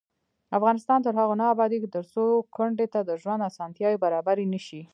افغانستان تر هغو نه ابادیږي، ترڅو کونډې ته د ژوند اسانتیاوې برابرې نشي.